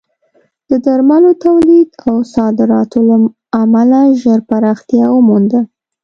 د درملو تولید او صادراتو له امله ژر پراختیا ومونده.